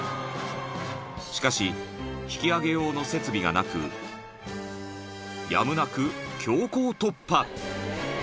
［しかし引き揚げ用の設備がなくやむなく強行突破］